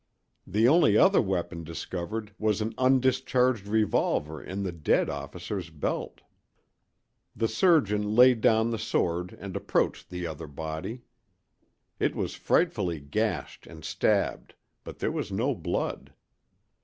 The only other weapon discovered was an undischarged revolver in the dead officer's belt. The surgeon laid down the sword and approached the other body. It was frightfully gashed and stabbed, but there was no blood.